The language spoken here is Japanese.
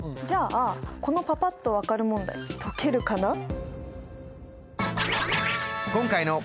じゃあこのパパっと分かる問題解けるかな？